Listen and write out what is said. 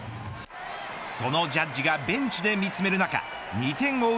そのジャッジがベンチで見つめる中２点を追う